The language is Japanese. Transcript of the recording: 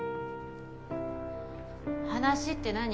話って何？